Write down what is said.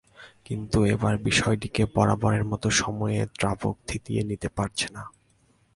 কিন্তু এবার বিষয়টিকে বরাবরের মতো সময়ের দ্রাবক থিতিয়ে নিতে পারছে না।